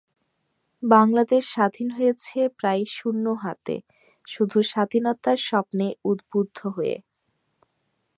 বাংলাদেশ স্বাধীন হয়েছে প্রায় শূন্য হাতে, শুধু স্বাধীনতার স্বপ্নে উদ্বুদ্ধ হয়ে।